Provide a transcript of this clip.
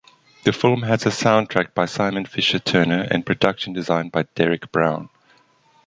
The film has a soundtrack by Simon Fisher-Turner and production design by Derek Brown.